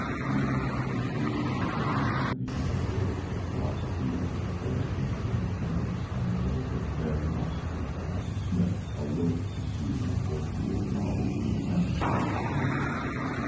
We, who have been reared and trained under the individualistic philosophy of the Declaration of Independence and the laisser faire philosophy of Adam Smith, are loath to see and loath to acknowledge this patent fact of human history.